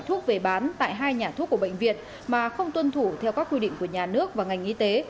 thuốc về bán tại hai nhà thuốc của bệnh viện mà không tuân thủ theo các quy định của nhà nước và ngành y tế